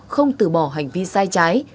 không từ bỏ hành vi sai trái